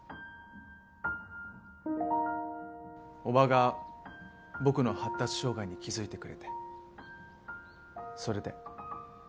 叔母が僕の発達障害に気づいてくれてそれで。